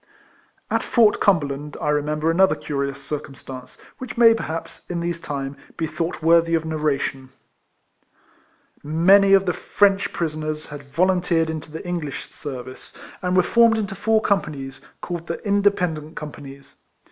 At Fort Cumberland I remember another curious circumstance, which may, perhaps, in these times, be thought worthy of nar ration. Many of the French prisoners had volun teered into the English service, and were formed into four companies, called the RIFLEMAN HARRIS. 281 Independent Companies.